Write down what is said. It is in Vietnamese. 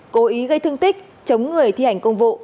cố ý gây thương tích chống người thi hành công vụ